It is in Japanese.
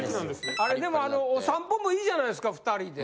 あれでもお散歩もいいじゃないですか２人で。